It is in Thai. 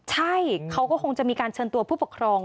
ใช่เขาก็คงจะมีการเชิญตัวผู้ปกครอง